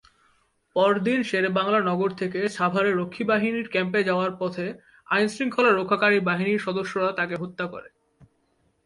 পরদিন শেরেবাংলা নগর থেকে সাভারে রক্ষীবাহিনীর ক্যাম্পে যাওয়ার পথে আইনশৃঙ্খলা রক্ষাকারী বাহিনীর সদস্যরা তাকে হত্যা করে।।